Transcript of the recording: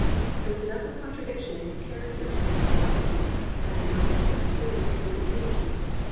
There was enough of contradiction in his character to give it variety, and enough of sturdy faith to give it imity.